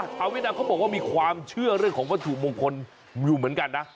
เวียดนามเขาบอกว่ามีความเชื่อเรื่องของวัตถุมงคลอยู่เหมือนกันนะ